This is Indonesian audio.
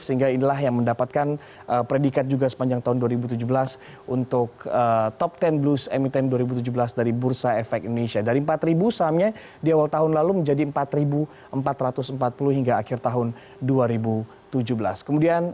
sehingga ini lebih baik